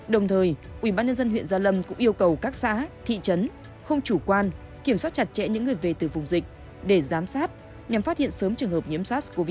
đồng thời ubnd huyện gia lâm cũng yêu cầu các xã thị trấn không chủ quan kiểm soát chặt chẽ những người về từ vùng dịch để giám sát nhằm phát hiện sớm trường hợp nhiễm sars cov hai